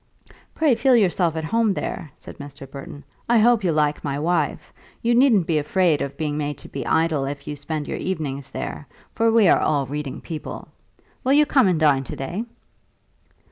"Pray feel yourself at home there," said Mr. Burton. "I hope you'll like my wife. You needn't be afraid of being made to be idle if you spend your evenings there, for we are all reading people. Will you come and dine to day?"